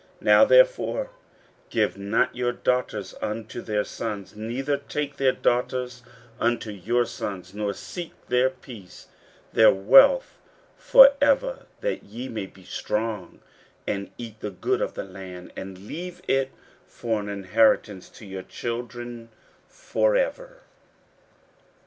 15:009:012 Now therefore give not your daughters unto their sons, neither take their daughters unto your sons, nor seek their peace or their wealth for ever: that ye may be strong, and eat the good of the land, and leave it for an inheritance to your children for ever.